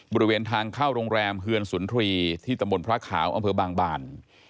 บริเวณทางเข้าโรงแรมเฮือนสุนทรีย์ที่ตำบลพระขาวอำเภอบางบาน